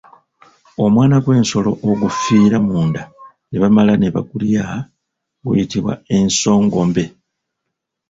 Omwana gw’ensolo ogufiira munda ne bamala ne bagulya guyitibwa ensongobe.